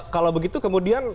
kalau begitu kemudian